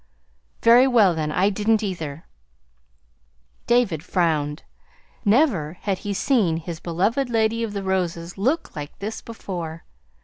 "Very well, then. I didn't, either." David frowned. Never had he seen his beloved Lady of the Roses look like this before.